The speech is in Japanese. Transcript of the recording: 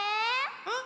うん？